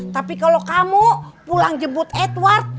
tapi kalau kamu pulang jebut edward